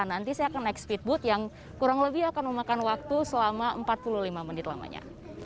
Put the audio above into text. nanti saya akan naik speedboat yang kurang lebih akan memakan waktu selama empat puluh lima menit lamanya